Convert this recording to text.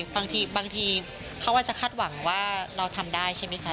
บางทีเขาอาจจะคาดหวังว่าเราทำได้ใช่ไหมคะ